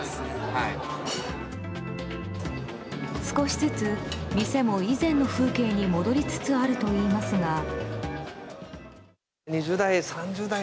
少しずつ、店も以前の風景に戻りつつあると言いますが。